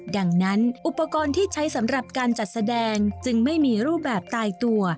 ดังนั้นอุปกรณ์ที่ใช้สำหรับการจัดแสดงจึงไม่มีรูปแบบตายตัว